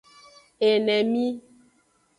Enemi.